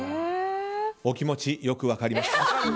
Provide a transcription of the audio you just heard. お気持ちよく分かります。